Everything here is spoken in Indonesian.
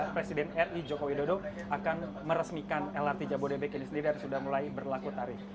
presiden ri joko widodo akan meresmikan lrt jabodebek ini sendiri dan sudah mulai berlaku tarif